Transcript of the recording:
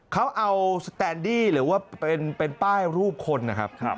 เขาเอาสแตนดี้หรือว่าเป็นป้ายรูปคนนะครับ